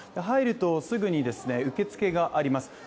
入るとすぐに受付があります。